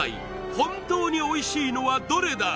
本当においしいのはどれだ？